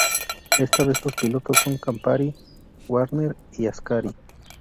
Esta vez los pilotos son Campari, Wagner y Ascari.